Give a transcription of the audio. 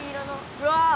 うわ！